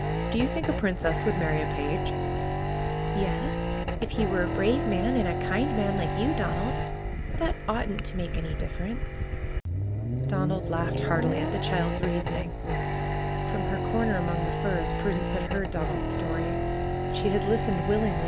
Do you think a princess would marry a page?" '^Yes, if he were a brave man, and a kind man, like you, Donald. That oughtn't to make any difference." Donald laughed heartily at the child's reasoning. From her corner among the firs Prudence had heard Donald's story. She had listened willingly.